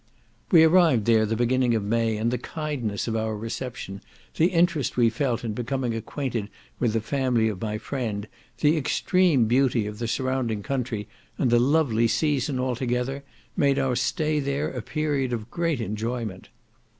We arrived there the beginning of May, and the kindness of our reception, the interest we felt in becoming acquainted with the family of my friend, the extreme beauty of the surrounding country, and the lovely season, altogether, made our stay there a period of great enjoyment.